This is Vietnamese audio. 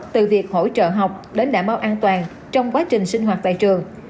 từ việc hỗ trợ học đến đảm bảo an toàn trong quá trình sinh hoạt tại trường